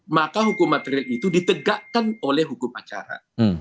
maka hukum materil itu ditegakkan oleh hukum acara